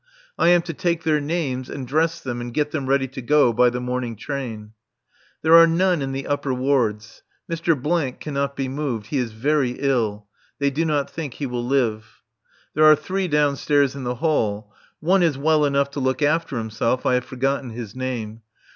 I am to take their names and dress them and get them ready to go by the morning train. There are none in the upper wards. Mr. cannot be moved. He is very ill. They do not think he will live. There are three downstairs in the hall. One is well enough to look after himself (I have forgotten his name).